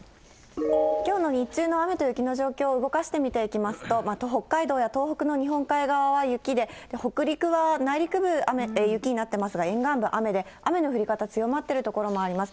きょうの日中の雨と雪の状況、動かして見ていきますと、北海道や東北の日本海側は雪で、北陸は内陸部、雪となっておりますが、沿岸部雨で、雨の降り方強まってる所もあります。